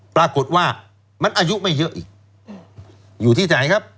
ปรากฏว่ามันอายุไม่เยอะอีกอยู่ที่ไหนครับ